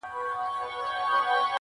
بل جهان بل به نظام وي چي پوهېږو!